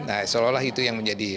nah seolah olah itu yang menjadi